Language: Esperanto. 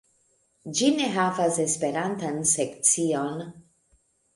Ĝi ne havas esperantan sekcion.